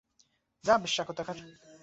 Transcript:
যা বেশ্যা কোথাকার!